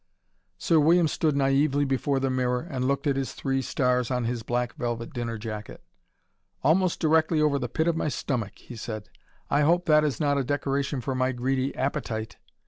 Sir William stood naively before the mirror and looked at his three stars on his black velvet dinner jacket. "Almost directly over the pit of my stomach," he said. "I hope that is not a decoration for my greedy APPETITE."